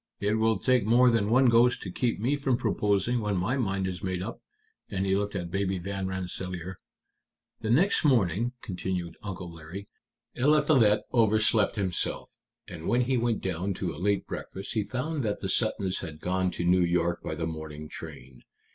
"It will take more than one ghost to keep me from proposing when my mind is made up." And he looked at Baby Van Rensselaer. "The next morning," continued Uncle Larry, "Eliphalet overslept himself, and when he went down to a late breakfast he found that the Suttons had gone to New York by the morning train.